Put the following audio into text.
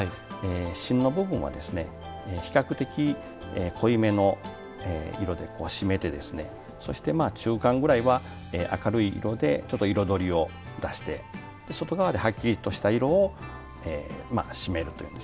芯の部分は比較的濃いめの色で締めて、中間ぐらいは明るい色で彩りを出して外側ではっきりとした色を締めると。